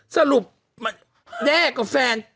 สรุปแด้กับแฟน